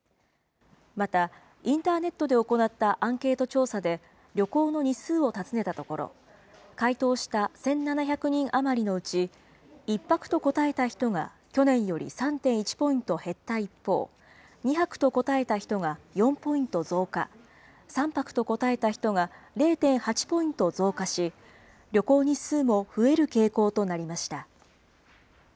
また、インターネットで行ったアンケート調査で、旅行の日数を尋ねたところ、回答した１７００人余りのうち、１泊と答えた人が去年より３．１ポイント減った一方、２泊と答えた人が４ポイント増加、３泊と答えた人が０．８ポイント増加し、旅行日数も増える傾向となりました。